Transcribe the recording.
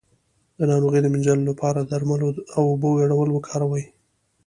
د ناروغۍ د مینځلو لپاره د درملو او اوبو ګډول وکاروئ